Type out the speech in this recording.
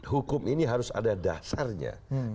hukum ini harus ada dasarnya